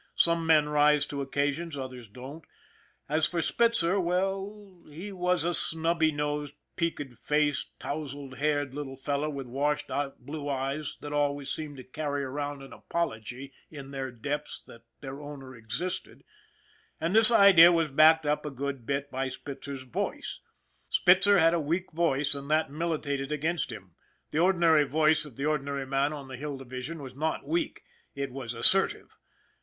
Some men rise to occasions, others don't; as for Spitzer well, he was a snubby nosed, peaked faced, touzled haired little fellow with washed out blue eyes that always seemed to carry around an apology in their depths that their owner existed, and this idea was backed up a good bit by Spitzer's voice. Spitzer had a weak voice and that militated against him. The ordinary voice of the ordinary man on the Hill Division was not weak it was assertive.